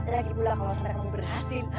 lagi pula kalau sampai kamu berhasil